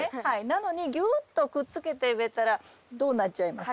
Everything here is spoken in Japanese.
なのにぎゅっとくっつけて植えたらどうなっちゃいます？